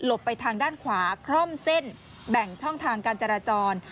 ไปทางด้านขวาคร่อมเส้นแบ่งช่องทางการจราจร